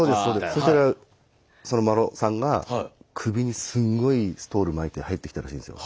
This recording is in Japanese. そうしたらその麿さんが首にすんごいストール巻いて入ってきたらしいんですよ。